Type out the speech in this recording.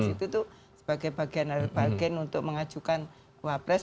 itu tuh sebagai bagian dari bargain untuk mengajukan wabres